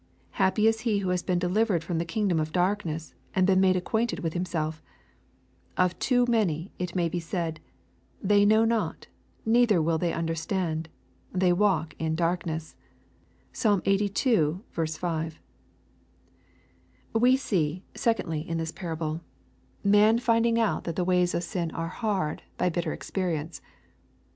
Happy is he who has been delivered from the kingdom of darkness, and been made acquainted with himself 1 Of too many it may be said, " They know not, neither will they under \ stand. They walk on in darkness." (Psalm Ixxxii, 5.) We see, secondly, in this parable, man finding out that 182 EXPOSITORY THOUGHTS. the ways of sin are hard, by hitter experience.